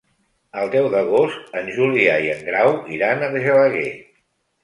El deu d'agost en Julià i en Grau iran a Argelaguer.